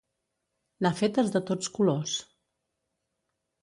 N'ha fetes de tots colors.